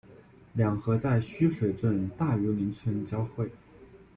两河在须水镇大榆林村交汇。